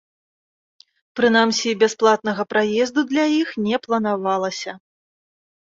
Прынамсі, бясплатнага праезду для іх не планавалася.